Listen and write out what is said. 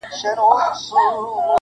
د شهپر او د خپل ځان په تماشا سو -